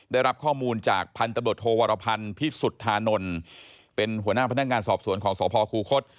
ได้รับข้อมูลจากพันธบทโทวรพันธ์พิสุทธานนท์เป็นหัวหน้าพนักงานสอบสวนของสพคูคศ